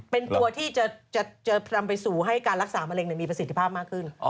เป็นตัวที่จะนำไปสู่ให้การรักษามะเร็งมีประสิทธิภาพมากขึ้น